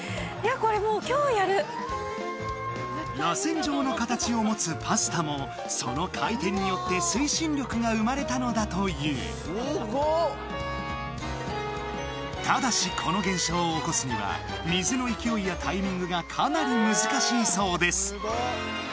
らせん状の形を持つパスタもその回転によって推進力が生まれたのだというただしこの現象を起こすには水の勢いやタイミングがかなり難しいそうです